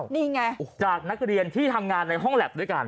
นี่ไงจากนักเรียนที่ทำงานในห้องแล็บด้วยกัน